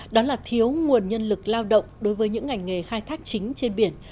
đó là thiếu nguồn nhân lực lao động đối với những ngành nghề khai thác chính trên biển